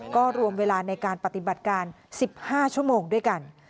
ก็รวมเวลาในการปฏิบัติการ๑๕ชั่วโมงด้วยกัน